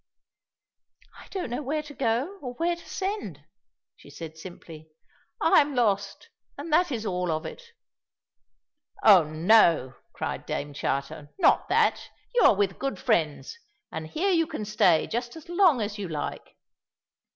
"I don't know where to go or where to send," she said simply; "I am lost, and that is all of it." "Oh, no," cried Dame Charter, "not that! You are with good friends, and here you can stay just as long as you like."